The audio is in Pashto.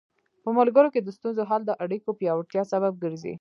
په ملګرو کې د ستونزو حل د اړیکو پیاوړتیا سبب ګرځي.